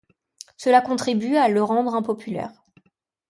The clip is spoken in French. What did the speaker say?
Cela contribue à le rendre impopulaire.